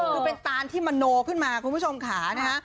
คือเป็นตานที่มโนขึ้นมาคุณผู้ชมขานะคะ